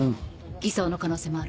偽装の可能性もある。